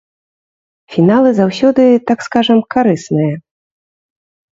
Фіналы заўсёды, так скажам, карысныя.